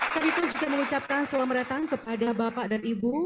saiful juga mengucapkan selamat datang kepada bapak dan ibu